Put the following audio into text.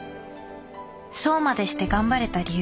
そうまでして頑張れた理由。